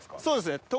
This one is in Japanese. そうですね